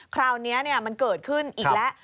คราวนี้มันเกิดขึ้นอีกแล้ว